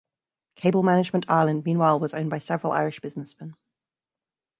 Cable Management Ireland meanwhile was owned by several Irish businessmen.